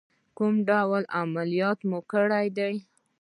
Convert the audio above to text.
کوم ډول عملیات مو کړی دی؟